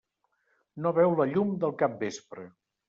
No veu la llum del capvespre.